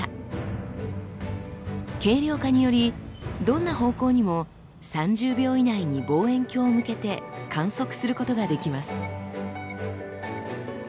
軽量化によりどんな方向にも３０秒以内に望遠鏡を向けて観測することができます。